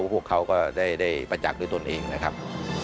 พวกเขาก็ได้ประจักษ์ด้วยตนเองนะครับ